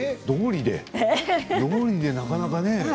どうりでなかなかね。